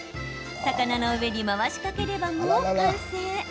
魚の上に回しかければ、もう完成。